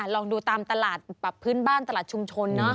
ลองดูตามตลาดแบบพื้นบ้านตลาดชุมชน